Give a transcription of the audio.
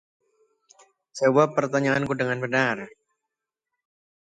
Jawab pertanyaanku dengan benar.